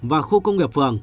và khu công nghiệp phường